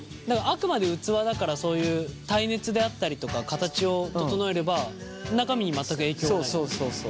あくまで器だからそういう耐熱であったりとか形を整えれば中身に全く影響がないっていうこと。